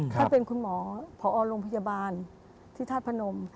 ท่านเป็นคุณหมอผอโรงพยาบาลที่ธาตุพนม